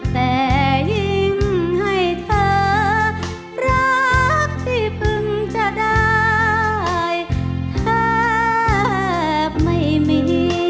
แต่ยิ้มให้เธอรักที่เพิ่งจะได้แทบไม่มี